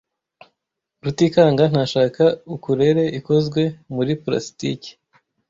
Rutikanga ntashaka ukulele ikozwe muri plastiki.